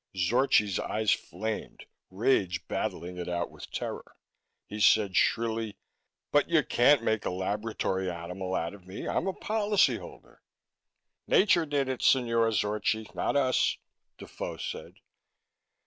Zorchi's eyes flamed rage battling it out with terror. He said shrilly, "But you can't make a laboratory animal out of me! I'm a policyholder!" "Nature did it, Signore Zorchi, not us," Defoe said.